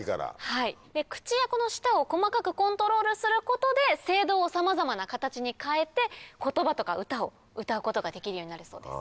はい口や舌を細かくコントロールすることで声道をさまざまな形に変えて言葉とか歌を歌うことができるようになるそうです。